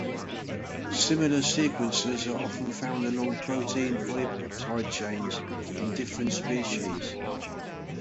Similar sequences are often found along protein polypeptide chains in different species.